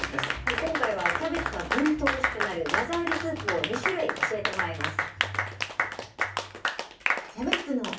今回はキャベツがぐんとおいしくなる技ありスープを２種類、教えてもらいます。